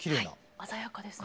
鮮やかですね。